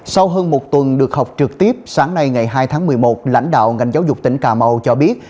sau hơn một tuần được học trực tiếp sáng nay ngày hai tháng một mươi một lãnh đạo ngành giáo dục tỉnh cà mau cho biết